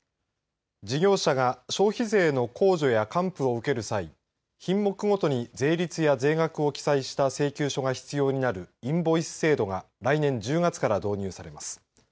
事業者が消費税の控除や還付を受ける際品目ごとに税率や税額を記載した請求書が必要になるインボイス制度が来年１０月から導入されます。